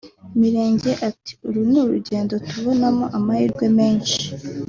Mirenge ati “Uru ni urugendo tubonamo amahirwe menshi